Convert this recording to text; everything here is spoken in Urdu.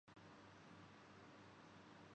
وہ بلا کس کو کیا روک گے ۔